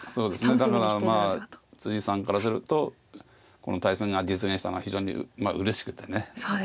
だからさんからするとこの対戦が実現したのは非常にうれしくてね。